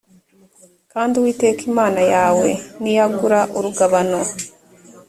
kandi uwiteka imana yawe niyagura urugabano